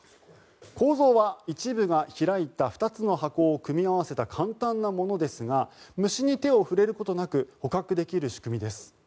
構造は、一部が開いた２つの箱を組み合わせた簡単なものですが虫に手を触れることなく捕獲できる仕組みです。